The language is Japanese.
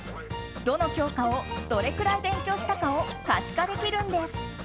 どの教科をどれくらい勉強したかを可視化できるんです。